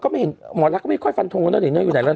ก็ไม่เห็นหมอลักษณ์ก็ไม่ค่อยฟันทงแล้วนั่นเนี่ยอยู่ไหนแล้ว